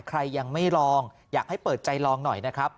ใครยังไม่ลองอยากให้เปิดใจลองหน่อยนะครับ